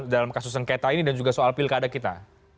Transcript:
dalam kasus sengketa ini dan juga soal pilkada kita